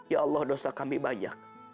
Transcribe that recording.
ya allah dosa kami banyak